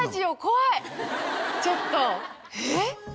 ちょっとええ？